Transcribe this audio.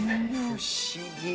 不思議。